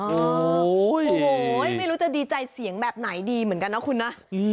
โอ้โหไม่รู้จะดีใจเสียงแบบไหนดีเหมือนกันนะคุณนะ